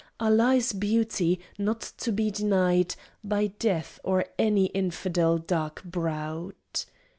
Allah is Beauty, not to be denied By Death or any Infidel dark browed!"